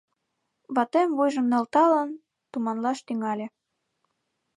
Ватем, вуйжым нӧлталын, туманлаш тӱҥале.